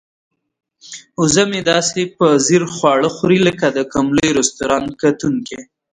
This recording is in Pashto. وزه مې داسې په ځیر خواړه خوري لکه د کوم لوی رستورانت کتونکی.